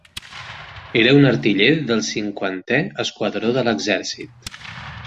Era un artiller del cinquantè esquadró de l'exèrcit.